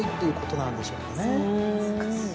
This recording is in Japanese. ・難しい。